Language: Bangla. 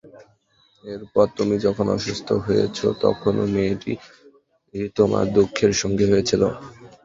এরপর তুমি যখন অসুস্থ হয়েছ, তখনো মেয়েটি তোমার দুঃখের সঙ্গী হয়েছিল।